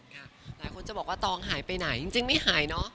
หลายคนจะบอกว่าตองหายไปไหนจริงไม่หายเนอะ